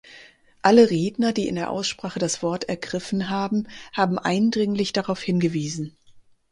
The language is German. Alle Redner, die in der Aussprache das Wort ergriffen haben, haben eindringlich darauf hingewiesen.